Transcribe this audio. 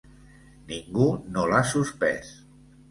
Ningú no l’ha suspès.